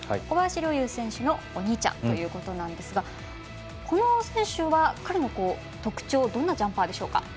小林陵侑選手のお兄ちゃんということなんですがこの選手の特徴どんなジャンパーでしょうか？